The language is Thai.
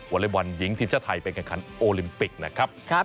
วันหญิงทีมชาติไทยเป็นการขันโอลิมปิกนะครับ